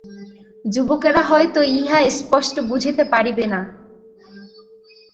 যুবকেরা হয়তো ইহা স্পষ্ট বুঝিতে পারিবে না।